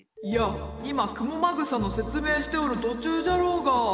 いや今雲間草の説明しておる途中じゃろうが。